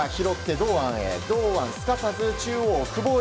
堂安、すかさず中央の久保へ。